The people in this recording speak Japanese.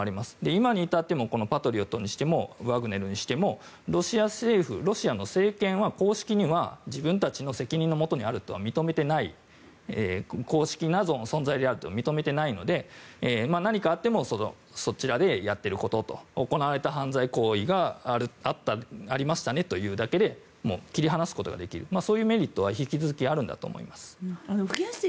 今に至ってもパトリオットにしてもワグネルにしてもロシア政府ロシアの政権は公式には自分たちの責任の下にあるとは認めていないので何かあってもそちらでやってること行われた犯罪行為がありましたねというだけで切り離すことができるというメリットは引き続きあるんだと思います。